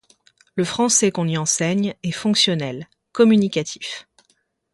Le français qu'on y enseigne est fonctionnel, communicatif.